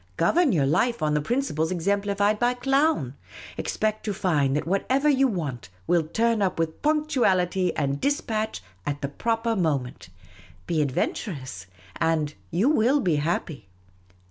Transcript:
Govern your life on the principles exemplified by Clown ; expect to find that whatever you want will turn up with punctuality and dis patch at the proper moment. Be adventurous and you will be happy.